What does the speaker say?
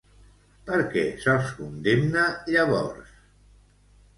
Per què se'ls condemna llavors?